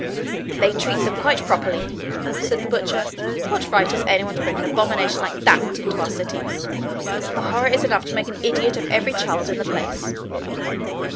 'They treat them quite properly,' said the butcher. 'What right has any one to bring an abomination like that into our city? The horror is enough to make an idiot of every child in the place.'